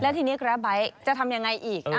แล้วทีนี้ครับไบ๊คจะทำยังไงอีก